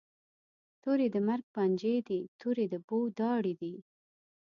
توری د مرګ پنجی دي، توری د بو داړي دي